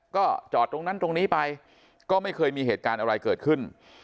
ก็จอดตรงนั้นตรงนี้ไปก็ไม่เคยมีเหตุการณ์อะไรเกิดขึ้น